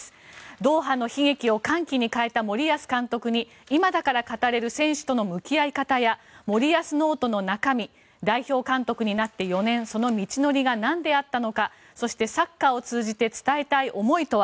ドーハの悲劇を歓喜に変えた森保監督に今だから語れる選手との向き合い方や森保ノートの中身代表監督になって４年その道のりがなんであったのかそしてサッカーを通じて伝えたい思いとは。